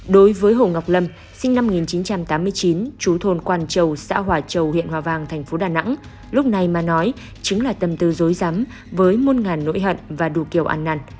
đối với hồ ngọc lâm sinh năm một nghìn chín trăm tám mươi chín chú thôn quang châu xã hỏa châu huyện hòa vàng thành phố đà nẵng lúc này mà nói chứng là tâm tư dối giắm với môn ngàn nỗi hận và đủ kiểu ăn nặn